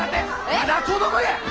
まだ子供や！